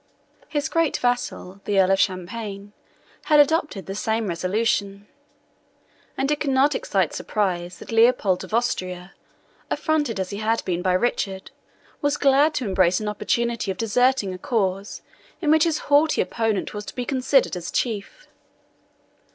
His great vassal, the Earl of Champagne, had adopted the same resolution; and it could not excite surprise that Leopold of Austria, affronted as he had been by Richard, was glad to embrace an opportunity of deserting a cause in which his haughty opponent was to be considered as chief.